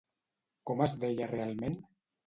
Com es deia realment?